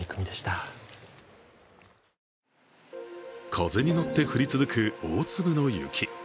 風に乗って降り続く大粒の雪。